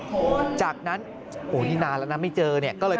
โหจากนั้นโหนี่นางแล้วนะไม่เจอเนี่ย